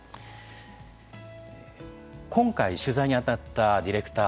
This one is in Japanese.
今回取材にあたったディレクター